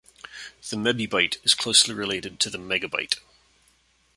The mebibyte is closely related to the megabyte.